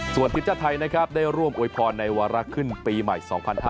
ส่วนทีมชาติไทยได้ร่วมโอยพรในวาระขึ้นปีใหม่๒๕๖๐